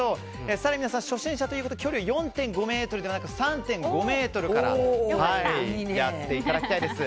更に皆さん、初心者ということで距離を４．５ｍではなくて３．５ｍからやっていただきたいです。